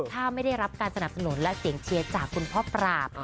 ถ้าไม่ได้รับการสนับสนุนและเสียงเชียร์จากคุณพ่อปราบ